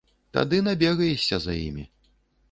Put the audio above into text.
Тады набегаешся за імі.